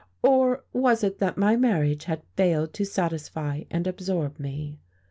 or was it that my marriage had failed to satisfy and absorb me?